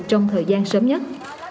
trong thời gian sớm nhất